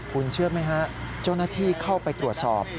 คุณเชื่อไหมฮะเจ้าหน้าที่เข้าไปตรวจสอบ